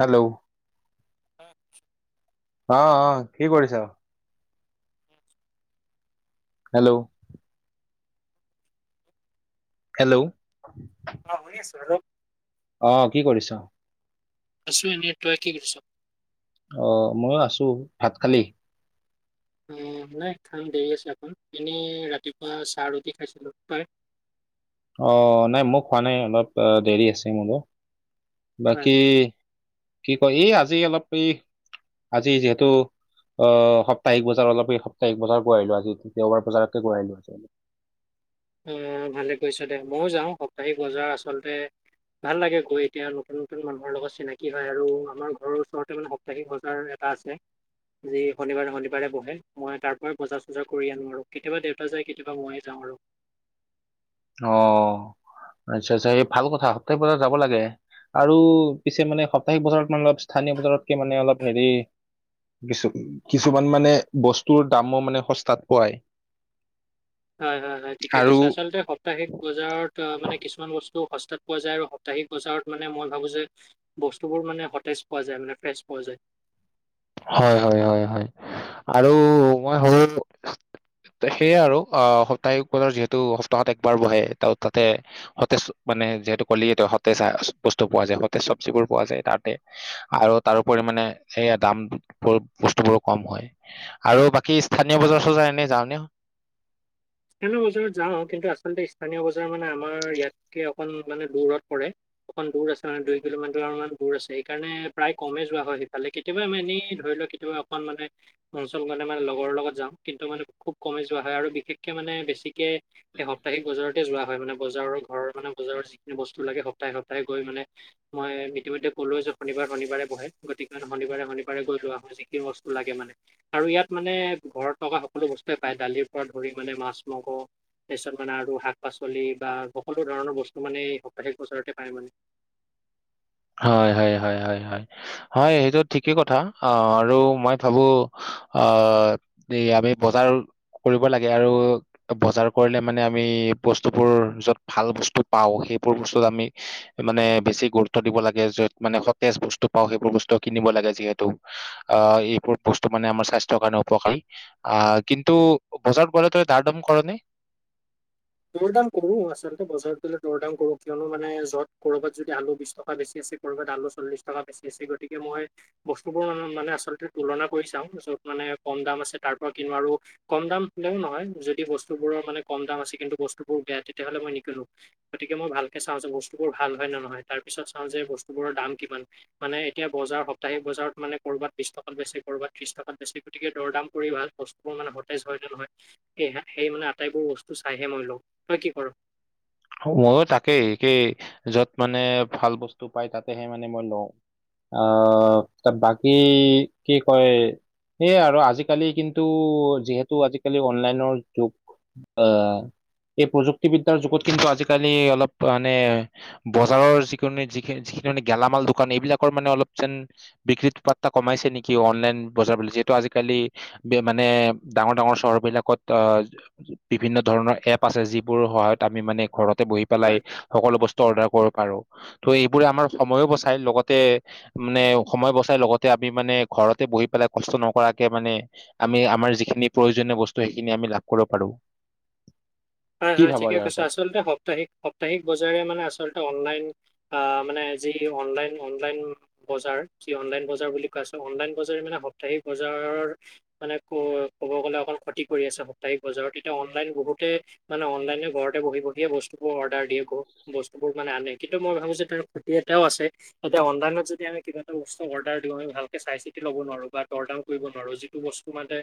Hello [inaudible] অ অ কি কৰিছা? [inaudible] হেল্ল'! হেল্ল'! অ শুনি আছো, হেল্ল'! অ কি কৰিছো? আছো এনেই, তই কি কৰিছো? অ মই আছো, ভাত খালি? অ নাই খাম দেৰি আছে আকৌ, এনেই ৰাতিপুৱা চাহ ৰুটি খাইছিলো। অ নাই মোক হোৱা নাই অলপ দেৰি আছে মোৰো। হয় বাকী কি কয় এই আজি অলপ এই আজি যিহেতু অ সপ্তাহিক বজাৰ অলপ এই সপ্তাহিক বজাৰ কৰি আহিলো আজি দেওবাৰ বজাৰকে গৈ আহিলো আজি। অ ভালে কৰিছে দে মইও যাওঁ সপ্তাহিক বজাৰ আচলতে ভাল লাগে গৈ এতিয়া নতুন নতুন মানুহৰ লগত চিনাকি হয় আৰু আমাৰ ঘৰৰ ওচৰতে মান সাপ্তাহিক বজাৰ এটা আছে, যি শনিবাৰে শনিবাৰে বহে। মই তাৰ পৰাই বজাৰ-চজাৰ কৰি আনো আৰু কেতিয়াবা দেউতাক পৰা যায় কেতিয়াবা মইে যাওঁ আৰু। অ আচ্ছা আচ্ছা এই ভাল কথা, সপ্তাহিক বছৰত যাব লাগে। আৰু পিছে মানে সপ্তাহিক বছৰত মান অলপ স্থানীয় বজাৰতকে মানে অলপ হেৰি কিছু কিছুমান মানে বস্তুৰ দামো মানে সস্তাত পোৱায়। হয় হয় হয় ঠিকে আৰু কৈছে আচলতে সাপ্তাহিক বজাৰত অ মানে কিছুমান বস্তু সস্তাত পোৱা যায় আৰু সাপ্তাহিক বজাৰত মানে মই ভাবো যে বস্তুবোৰ মানে সতেজ পোৱা যায় মানে ফ্ৰেছ পোৱা যায়। হয় হয় হয় হয় আৰু মই ভাবো ত সেয়াই আৰু আহ সপ্তাহিক বজাৰ যিহেতু সপ্তাহত একবাৰ বহে ত তাতে সতেজ মানে যিহেতু কলিয়ে তই সতেজ বস্তু পোৱা যায়, সতেজ চব্জিবোৰ পোৱা যায় তাতে। আৰু তাৰোপৰি মানে এইয়া দাম বস্তু বোৰো কম হয়। আৰু বাকী স্থানীয় বজাৰ-চজাৰ এনে যাও নে? স্থানীয় বজাৰত যাওঁ, কিন্তু আচলতে স্থানীয় বজাৰ মানে আমাৰ ইয়াতকে অকণ মানে দূৰত পৰে। অকণ দূৰ আছে, মানে দুই কিলোমিটাৰমান দূৰ আছে। সেইকাৰণে প্ৰায় কমে যোৱা হয় সেইফালে কি কেতিয়াবা আমি এনেই ধৰি লও কেতিয়াবা অকণ মানে অঞ্চল মানে মানে লগৰ লগত যাওঁ, কিন্তু মানে খুব কমেই যোৱা হয় আৰু বিশেষ কে মানে বেছিকে এই সপ্তাহিক বজাৰত যোৱা হয়। মানে বজাৰৰ ঘৰ মানে বজাৰৰ যিখিনি বস্তু লাগে সপ্তাহ সপ্তাহ গৈ মানে মই ইতিমধ্যে ক'লোৱে যে শনিবাৰ শনিবাৰে বহে গতিকে শনিবাৰে শনিবাৰে গৈ লোৱা হয় যি কি বস্তু লাগে মানে আৰু ইয়াত মানে ঘৰত থকা সকলো বস্তুৱে পায় দালিৰ পৰা ধৰি মানে মাছ মগো তাৰ পিছত মানে আৰু শাক পাচলি বা সকলো ধৰণৰ বস্তু মানে এই সপ্তাহিক বজাৰতে পায় মানে হয় হয় হয় হয় হয় হয় সেইটো ঠিকেই কথা অ আৰু মই ভাবো আহ দে আমি বজাৰ কৰিব লাগে আৰু বজাৰ কৰিলে মানে আমি বস্তুবোৰ যত ভাল বস্তু পাওঁ সেইবোৰ বস্তুত আমি মানে বেছি গুৰুত্ব দিব লাগে য'ত মানে সতেজ বস্তু পাওঁ সেইবোৰ বস্তু কিনিব লাগে যিহেতু অ এইবোৰ বস্তু মানে আমাৰ স্বাস্থ্যৰ কাৰণে উপকাৰ অ কিন্তু বজাৰত গ'লে ত দাৰডম কৰ'নি? দৰ দাম কৰো আচলতে বজাৰ গলে দৰ দাম কৰো কিয়নো মানে য'ত ক'বাত যদি আলু বিশ টকা বেছি আছে কৰবাত আলো চল্লিছ টকা বেছি আছে গতিকে মই বস্তুবোৰ মানে আচলতে তুলনা কৰি চাওঁ যত মানে কম দাম আছে তাৰ পৰা কিনো আৰু কম দাম হলেও নহয় যদি বস্তুবোৰৰ মানে কম দাম আছে কিন্তু বস্তুবোৰ বেয়া তেতিয়াহ'লে মই নিকিনো গতিকে মই ভালকৈ চাওঁ যে বস্তুবোৰ ভাল হয় নহয় তাৰপিছত চাওঁ যে বস্তুবোৰৰ দাম কিমান মানে এতিয়া বজাৰ সপ্তাহিক বজাৰত মানে কৰ'বাত বিশ টকা বেছি ক'ৰবাত ত্ৰিশ টকা বেছি গতিযে দৰ দাম কৰি লোৱা ভাল বস্তু তোৰ মানে সতেজ হয় নে নহয় এই সে সেই মানে আটাইবোৰ বস্তু চাইহে মই লওঁ তই কি কৰ? ময়ো তাকেই একেই যত মানে ভাল বস্তু পাই তাতেহে মানে মই লওঁ আহ বাকী কি কয় সেয়ে আৰু আজিকালি কিন্তু যিহেতু আজিকালি অনলাইনৰ যুগ আহ এই প্ৰযুক্তি বিদ্যাৰ যুগত কিন্তু আজিকালি অলপ মানে বজাৰৰ যিকোনি যিখ যিখিনি মানে গেলামাল দোকান এইবিলাকৰ মানে অলপ যেন বিক্ৰীত পাত্ৰা কমাইছে নেকি অনলাইন বজাৰ বুলি যিহেতু আজিকালি দে মানে ডাঙৰ ডাঙৰ চহৰ বিলাকত আহ বিভিন্ন ধৰণৰ এপ আছে যিবোৰৰ সহায়ত আমি মানে ঘৰতে বহি পেলাই হয়, সকলো বস্তু অৰ্ডাৰ কৰিব পাৰো ত' এইবোৰে আমাৰ সময়ো বচাই লগতে মানে সময় বচাই লগতে আমি মানে ঘৰতে বহি পেলাই কষ্ট নকৰাকে মানে আমি আমাৰ যিখিনি প্ৰয়োজনীয় বস্তু সেইখিনি আমি লাভ কৰিব পাৰোঁ হয় হয় ঠিকে কৈছে আচলতে সপ্তাহিক সপ্তাহিক বজাৰে মানে আচলতে অনলাইন আহ মানে যি অনলাইন অনলাইন বজাৰ যি অনলাইন বজাৰ বুলি কোৱা হৈছে অনলাইন বজাৰ মানে সাপ্তাহিক বজাৰৰ মানে ক ক'ব গ'লে অকল ক্ষতি কৰি আছে সপ্তাহিক বজাৰত এতিয়া অনলাইন বহুতে মানে অনলাইনে ঘৰতে বহি পঠিয় বস্তুোৰ অৰ্ডাৰ দিয়ে গ বস্তুবোৰ মানে আনে কিন্তু মই ভাবো যে তাৰ খু্তি এটাও আছে এতিয়া অনলাইনত যদি আমি কিবা এটা বস্তু অৰ্ডাৰ দিওঁ আমি ভালকে চাই চিতি ল'ব নোৱাৰো বা দৰ দাম কৰিব নোৱাৰো যিত টো বস্তু মানে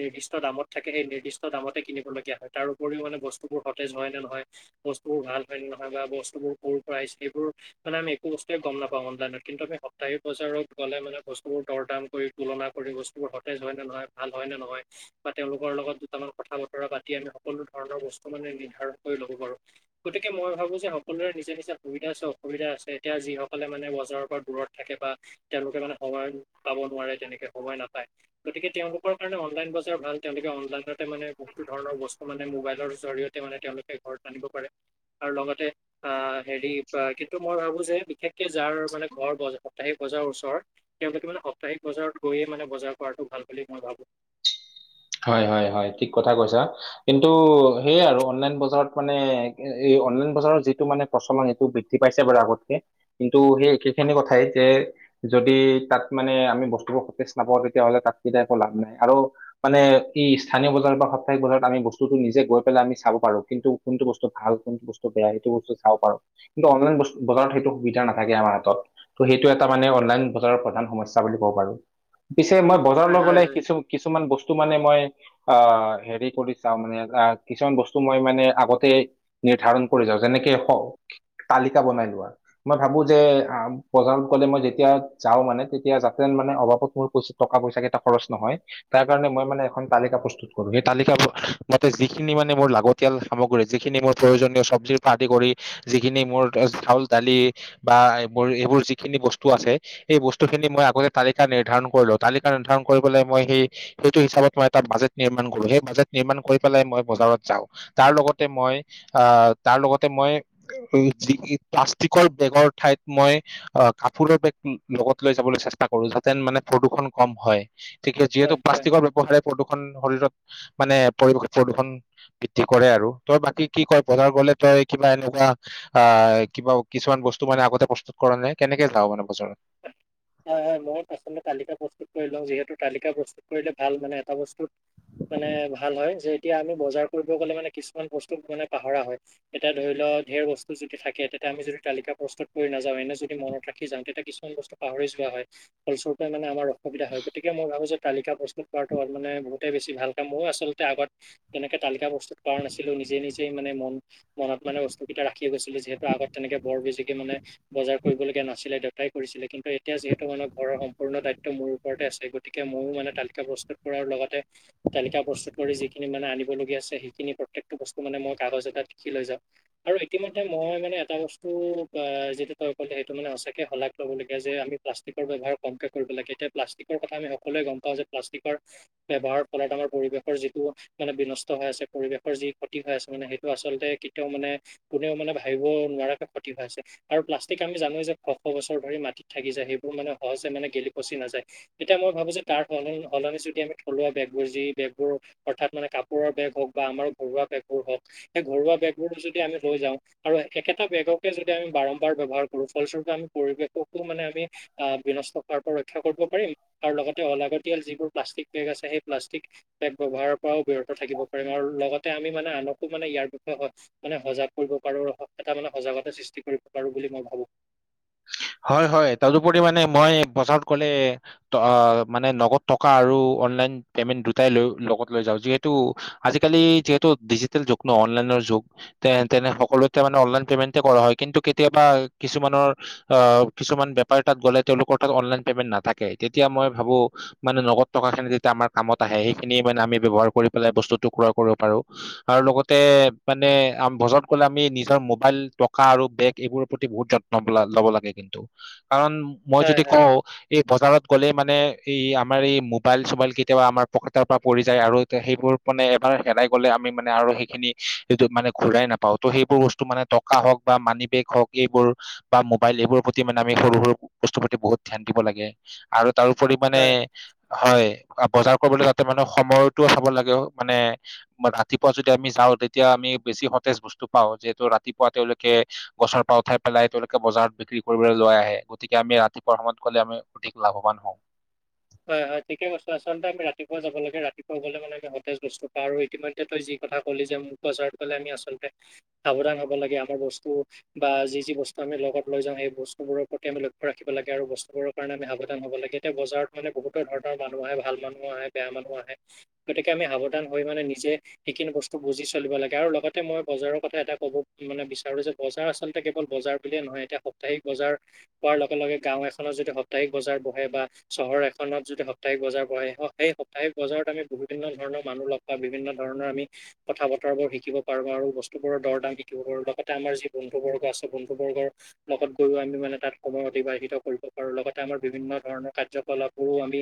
নিৰ্দিষ্ট দামত থাকে সেই নিৰ্দিষ্ট দামতে কিনিবলগীয়া হয় তাৰ উপৰিও মানে বস্তুবোৰ সতেজ হয় নে নহয় বস্তুবোৰ ভাল হয় নে নহয় বা বস্তুবোৰ কৰ আহিছে সেইবোৰ মানে আমি একো বস্তুৱে গম নাপাওঁ অনলাইনত কিন্তু আমি সপ্তাহি বজাৰত গ'লে মানে বস্তুবোৰ দৰ দাম কৰি তুলনা কৰি বস্তুবোৰ সতেজ হয় নে নহয় ভাল হয় নে নহয় বা তেওঁলোকৰ লগত দুটামান কথা বতৰা পাতি আমি সকলো ধৰণৰ বস্তু মানে নিৰ্ধাৰণ কৰি লব পাৰো গতিকে মই ভাবো যে সকলোৰে নিজা নিজা সুবিধা আছে অসুবিধা আছে এতিয়া যিসকলে মানে বজাৰৰ পৰা দূৰত থাকে বা তেওঁলোকে মানে সময় পাব নোৱাৰে তেনেকে সময় নাপায় গতিকে তেওঁলোকৰ কাৰণে অনলাইন বজাৰ ভাল তেওঁলোকে অনলাইনতে মানে বহুতো ধৰণৰ বস্তু মানে মোবাইলৰ জৰিয়তে মানে তেওঁলোকে ঘৰত আনিব পাৰে আৰু লগতে আ হেৰি কিন্তু মই ভাবো যে বিশেষকে যাৰ মানে ঘৰ বজ যাৰ সাপ্তাহিক বজাৰ ওচৰত তেওঁলোকে মানে সপ্তাহিক বজাৰত গৈয়ে মানে বজাৰ কৰাটো ভাল বুলি মই ভাবো হয় হয় হয় ঠিক কথা কৈছা কিন্তু সেয়াই আৰু অনলাইন বজাৰত মানে এ অনলাইন বজাৰৰ যিটো মানে প্ৰচলন সেইটো বৃ দ্ধি পাইছে বাৰু আগতকে কিন্তু সেই একেখিনি কথাই যে যদি তাত মানে আমি বস্তুবোৰ সতেজ নাপাওঁ তেতিয়াহ'লে তাত কি তে একো লাভ নাই আৰু মানে ই স্থানীয় বজাৰ বা সপ্তাহিক বজাৰত আমি বস্তুটো নিজে গৈ পেলাই আমি চাব পাৰো কিন্তু কোনটো বস্তু ভাল কোনটো বচ ত বেয়া সেইটো বস্তু চাব পাৰ কিন্তু অনলাইন বজাৰত সেইটো সুবিধা নাথাকে আমাৰ হাতত ত' সেইটো এটা মানে অনলাইন বজাৰৰ প্ৰধান সমস্যা বুলি ক'ব পাৰো পিছে মই হয় বজাৰল হয় গ'লে হয়। কিছু কিছুমান বস্তু মানে মই আহ হেৰি কৰি চাও মানে আহ কিছুমান বস্তু মই মানে আগতে নিৰ্ধাৰণ কৰি যাও যেনেকে হওক তালিকা বনাই লোৱা মই ভাবো যে আ বজাৰত গ'লে মই যেতিয়া যাওঁ মানে তেতিয়া যাতেন মানে অভাৱত মোৰ পইছ টকা পইচা কেইটা খৰচ নহয় তাৰ কাৰণে মই মানে এখন তালিকা প্ৰস্তু কৰো সেই তালিকাবোৰ মতে যিখিনি মানে মোৰ লাগতিয়াল সামগ্ৰী যিখিনি মোৰ প্ৰয়োজনীয় চব্জিৰ পৰা আদি কৰি যিখিনি মোৰ আ চাউল দালি বা এ মোৰ এইবোৰ যিখিনি বস্তু আছে এই বস্তুখিনি মই আগতে তালিকা নিৰ্ধাৰণ কৰিলো তালিকা নিৰ্ধাৰণ কৰিবলে মই সেই সেইটো হিচাপত মই এটা বাজেট নিৰ্মাণ কৰো সেই বাজেট নিৰ্মাণ কৰি পেলাই মই বজাৰত যাওঁ তাৰ লগতে মই আহ তাৰ লগতে মই যি ই প্লাষ্টিকৰ বেগৰ ঠাইত মই অ কাপোৰৰ বেগ লগত লৈ যাবলৈ চেষ্টা কৰো যাতেন মানে প্ৰদূৰণ কম হয় ঠিকে যিহেতু হয় হয় প্লাষ্টিকৰ ব্যৱহাৰে প্ৰদূষণ শৰীৰত মানে পৰিৱেশৰ প্ৰদূষণ বৃদ্ধি কৰে আৰু তই বাকী কি কয় বজাৰ গলে তই কিবা এনেকা আহ কিবা কিছুমান বস্তু মানে আগতে প্ৰস্তুত কৰা নাই কেনেকে যাওঁ মানে বজাৰত হয় হয় মই আচলতে তালিকা প্ৰস্তুত কৰি লওঁ যিহেতু তালিকা প্ৰস্তুত কৰিলে ভাল মানে এটা বস্তুত মানে ভাল হয় যে এতিয়া আমি বজাৰ কৰিব গ'লে মানে কিছুমান বস্তু মানে পাহৰা হয় এতিয়া ধৰি লও ধেৰ বস্তু যদি থাকে তেতিয়া আমি যদি তালিকা প্ৰস্তুত কৰি নাযাওঁ এনে যদি মনত ৰাখি যাওঁ তেতিয়া কিছুমান বস্তু পাহৰি যোৱা হয় ফলচৰূপে মানে আমাৰ অসুবিধা হয় গতিকে মই ভাবোঁ যে তালিকা প্ৰস্তুত কৰাটো হল মানে বহুতেই বেছি ভাল কাম হব আচলতে আগত এনেকে তালিকা বস্তুত কৰা নাছিলো নিজে নিজেই মানে মন মনত মানে বস্তুকেইটা ৰাখি গৈছিলো যিহেতু আগত তেনেকে বৰ বেছিকে মানে বজাৰ কৰিবলগীয়া নাছিলে দেউতাই কৰিছিলে কিন্তু এতিয়া যিহেতু মানে ঘৰৰ সমূৰ্ণ দায়িত ত্ব মোৰ ওপৰতে আছে গতিকে ময়ো মানে তালিকা প্ৰস্তুত কৰাৰ লগতে তালিকা প্ৰস্তুত কৰি যিখিনি মানে আনিবলগীয়া আছে সেইখিনি প্ৰত্যেকটো বস্তু মানে মই কাগজ এটাত লিখি লৈ যাওঁ আৰু ইতিমধ্যে মই মানে এটা বস্তু আ যিটো তই ক'লে সেইটো মানে সঁচাকে শলাগ লব লাগ গে যে আমি প্লাষ্টিকৰ ব্যৱহাৰ কমকে কৰিব লাগে এতিয়া প্লাষ্টিকৰ কথা আমি সকলোৱে গম পাওঁ যে প্লাষ্টিকৰ ব্যৱহাৰ ফলত আমাৰ পৰিৱেশৰ যিটো মানে বিনষ্ট হৈ আছে পৰিৱেশৰ যি ক্ষতি হৈ আছে মানে সেইটো আচলতে কেতিয়াও মানে কোনেও মানে ভাবিব নোৱাৰাকে ক্ষতি হৈ হৈছে আৰু প্লাষ্টিক আমি জানোই যে শ শ বছৰ ধৰি মাটি থাকি যায় সেইবোৰ মানে সহজে মানে গেলি পচি নাযায় তেতিয়া মই ভাবো যে তাৰ হল হলনি যদি আমি থলুৱা বেগবোৰ যি বেগবোৰ অৰ্থাৎ মানে কাপোৰৰ বেগ হওক বা আমাৰ ঘৰুৱা বেগবোৰ হওক সেই ঘৰুৱা বেগবোৰো যদি আমি লৈ যাওঁ আৰু একেটা বেগকে যদি আমি বাৰম্বাৰ ব্যৱহাৰ কৰো ফলস্বৰূপে আমি পৰিৱেশকো মানে আমি আহ বিনষ্ট কৰোৱাৰ পৰা ৰক্ষা কৰিব পাৰিম আৰু লগতে অলাগতিয়াল যিবোৰ প্লাষ্টিক বেগ আছে সেই প্লাষ্টিক এক ব্যৱহাৰৰ পৰাও বিৰত থাকিব পাৰিম আৰু লগতে আমি মানে আনকো মানে ইয়াৰ বিষয়ে সঁচ মানে সজাগ কৰিব পাৰো হ এটা মানে সজাগতা সৃষ্টি কৰিব পাৰো বুলি মই ভাবো হয় হয় তাৰোপৰি মানে মই বজাৰত গ'লে মানে নগদ টকা আৰু অনলাইন পেমেন্ট দুটাই লৈ লগত লৈ যাওঁ, যিহেতু আজিকালি যিহেতু ডিজিটেল যুগ ন অনলাইনৰ যুগ। তেনে সকলোতে মানে অনলাইন পেমেন্ট কৰা হয় কিন্তু কেতিয়াবা কিছুমানৰ আহ কিছুমান বেপাৰী তাত গ'লে তেওঁলোকৰ তাত অনলাইন পেমেন্ট নাথাকে তেতিয়া মই ভাবো মানে নগদ থকা খিনি যেতিয়া আমাৰ কামত আহে সেইখিনিে মানে আমি ব্যৱহাৰ কৰি পেলাই বস্তুটো ক্ৰয় কৰিব পাৰো আৰু লগতে মানে বজাৰত গলে আমি নিজৰ মোবাইল টকা আৰু বেগ এইবোৰৰ প্ৰতি বহুত যত্ন লব লাগে কিন্তু, কাৰণ মই হয় যদি হয় কওঁ এই বজাৰত গ'লে মানে এই আমাৰ এই মোবাইল চোবাইল কেতিয়াবা আমাৰ পকেটৰ পৰা পৰি যায় আৰু সেইবোৰ মানে এবাৰ হেৰাই গ'লে আমি মানে আৰু সেইখিনি মানে ঘূৰাই নাপাওঁ ত' সেইবোৰ বস্তু মানে সাহস বা মানী বেগ হওঁক এইবোৰ বা মোবাইল এইবোৰৰ প্ৰতি মানে আমি সৰু সৰু বস্তুৰ প্ৰতি বহুত ধ্যান দিব লাগে। আৰু তাৰোপৰি মানে হয় হয় বজাৰ কৰিবলৈ যাওঁতে মানে সময়টো চাব লাগে মানে ৰাতিপুৱা যদি আমি যাওঁ তেতিয়া আমি বেছি সতেজ বস্তু পাওঁ যিহেতু ৰাতিপুৱা তেওঁলোকে গছৰ পৰা উঠাই পেলাই বজাৰত বিক্ৰী কৰিবলৈ লৈ আহে গতিকে আমি ৰাতিপুৱা সময়ত গলে আমি অধিক লাভৱান হওঁ। হয় হয় ঠিকে কৈছা আচলতে আমি ৰাতিপুৱা যাব লাগে ৰাতিপুৱা গলে মানে আমি সতেজ বস্ত পাওঁ আৰু এতি য়া তই যি কথা কলি যে বজাৰত গ'লে আমি আচলতে সাৱধান হব লাগে আমাৰ বস্তু বা যি যি বস্তু আমি লগত লৈ যাওঁ সেই বস্তু বোৰৰ প্ৰতি আমি লক্ষ্য ৰাখিব লাগে আৰু বস্তুবোৰ কাৰণ আমি সাৱধান হব লাগে, এতিয়া বজাৰত মানে বহুতো ধৰণৰ মানুহ আহে ভাল মানুহ আহে বেয়া মানুহ আহে গতিকে আমি সাৱধান হৈ মানে নিজে সেইখিনি বস্তু বুজি চলিব লাগে আৰু লগতে মই বজাৰৰ কথা এটা ক'ব মানে বিচাৰো যে বজাৰ আচলতে কেৱল বজাৰ বুলিয়ে নহয় এতিয়া সপ্তাহিক বজাৰ পোৱাৰ লগে লগে গাঁও এখনৰ যদি সপ্তাহিক বজাৰ বহে বা চহৰ এখনত যদি সপ্তাহিক বজাৰ বহে, সেই সপ্তাহিক বজাৰত আমি বিভিন্ন ধৰণৰ মানুহ লগ পাওঁ বা বিভিন্ন ধৰণৰ আমি কথা বতৰাবোৰ শিকিব পাৰো আৰু বস্তুবোৰৰ দৰ দাম শিকিব পাৰো লগতে আমাৰ যি বন্ধু বৰ্গ আছে বন্ধু বৰ্গৰ লগত গৈও আমি মানে তাত সময় অতিবাহিত কৰিব পাৰো লগতে আমাৰ বিভিন্ন ধৰণৰ কাৰ্যকলাপবোৰো আমি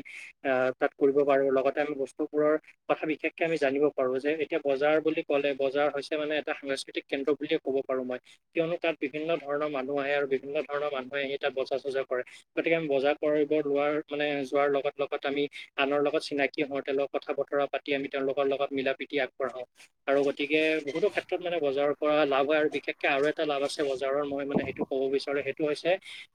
আহ তাত কৰিব পাৰো, লগতে আমি বস্তুবোৰৰ কথা বিশেষকে আমি জানিব পাৰো যে এতিয়া বজাৰ বুলি ক'লে বজাৰ হৈছে মানে এটা সাংস্কৃতিক কেন্দ্ৰ বুলিয়ে ক'ব পাৰো মই। কিয়নো তাত বিভিন্ন ধৰণৰ মানুহ আহে আৰু বিভিন্ন ধৰণৰ মানুহে আহি তাত বজাৰ চজাৰ কৰে। গতিকে আমি বজাৰ কৰি বৰ লোৱাৰ মানে যোৱাৰ লগত লগত আমি আনৰ লগত চিনাকি হওঁ তেওঁ লগত কথা বতৰা পা তি আমি তেওঁলোকৰ লগত মিলা প্ৰীতি আগবঢ়াও আৰু গতিকে বহুটো ক্ষে ত্ৰত মানে বজাৰৰ পৰা লাভ হয় আৰু বিশেষকে আৰু এটা লাভ আছে বজাৰৰ মই মানে সেইটো ক'ব বিচাৰো সেইটো হৈছে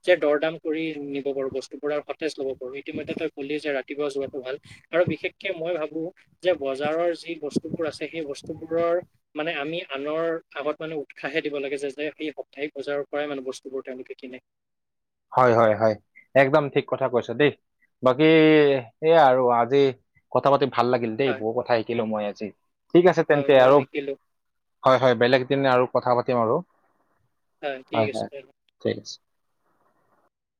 যে দৰদাম কৰি নিব পাৰো বস্তুবোৰ আৰু সতেজ ল'ব পাৰো ইতিমধ্যে তই কলি যে ৰাতিপুৱা যোৱাটো ভাল। আৰু বিশেষকে মই ভাবো যে বজাৰৰ যি বস্তুবোৰ আছে সেই বস্তুবোৰৰ মানে আমি আনৰ আগত মানে উৎসাহে দিব লাগে যে, যে সেই সপ্তাহিক বজাৰৰ পৰাই মানে বস্তুবোৰ তেওঁলোকে কিনে। হয় হয় হয়, একদম ঠিক কথা কৈছ দেই। বাকী এয়া আৰু আজি কথা পাতি ভাল লাগিল দেই। হয় বহু কথা শিকিলো মই আজি ঠিক আছে হয় তেন্তে ময়ো আৰু শিকিলো হয় হয়, বেলেগ দিন আৰু কথা পাতিম আৰু। হয় ঠিক আছে বাৰু। ঠিক আছে।